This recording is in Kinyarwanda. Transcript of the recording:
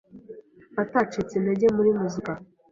atacitse intege muri muzika